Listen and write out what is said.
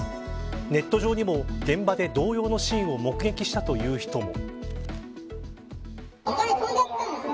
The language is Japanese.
ネット上にも、現場で同様のシーンを目撃したという人も。